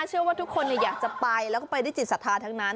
เชื่อว่าทุกคนอยากจะไปแล้วก็ไปด้วยจิตศรัทธาทั้งนั้น